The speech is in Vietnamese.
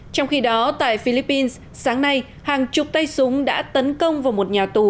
trong khi đó tại philippines sáng nay hàng chục tay súng đã tấn công vào một nhà tù